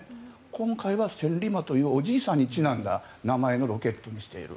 今回は千里馬というおじいさんにちなんだ名前のロケットにしている。